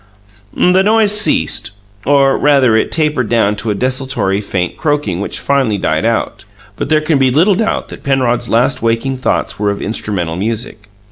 The noise ceased, or, rather, it tapered down to a desultory faint croaking which finally died out; but there can be little doubt that Penrod's last waking thoughts were of instrumental music.